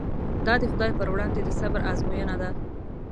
دا د خدای پر وړاندې د صبر ازموینه ده.